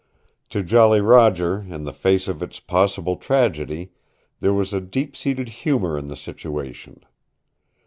To Jolly Roger, in the face of its possible tragedy, there was a deep seated humor in the situation.